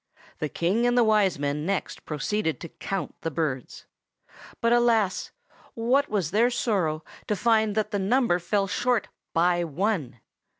The King and the Wise Men next proceeded to count the birds. But alas! what was their sorrow to find that the number fell short by one!